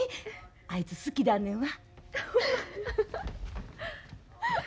あいつ好きだんねんわ。